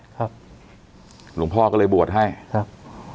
หลวงพ่อก็เลยบวชให้ครับ